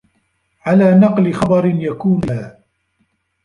عَلَى نَقْلِ خَبَرٍ يَكُونُ كَذِبًا